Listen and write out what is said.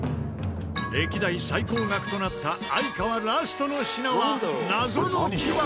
歴代最高額となった哀川ラストの品は謎の木箱。